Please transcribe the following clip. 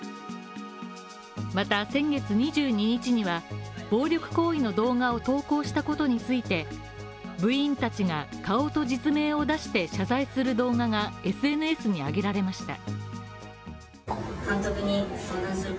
また先月２２日には、暴力行為の動画を投稿したことについて部員たちが、顔と実名を出して謝罪する動画がＳＮＳに上げられました。